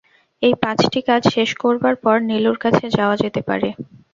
এই পাঁচটি কাজ শেষ করবার পর নীলুর কাছে যাওয়া যেতে পারে।